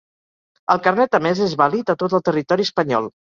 El carnet emès és vàlid a tot el territori espanyol.